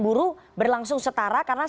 buruh berlangsung setara karena